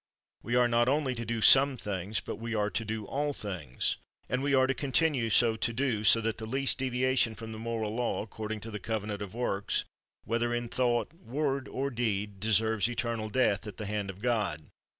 We are not only to do some things, but we are to do all things, and we are to continue so to do, so that the least deviation from the moral law, according to the covenant of works, whether in thought, word, or deed, deserves eternal death at the hand of God.